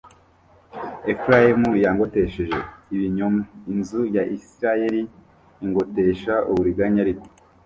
Efurayimu yangotesheje ibinyoma a inzu ya Isirayeli ingotesha uburiganya ariko